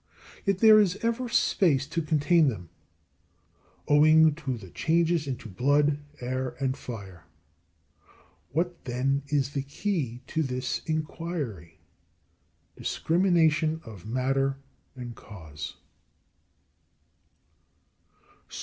Yet there is ever space to contain them, owing to the changes into blood, air, and fire. What, then, is the key to this enquiry? Discrimination of matter and cause.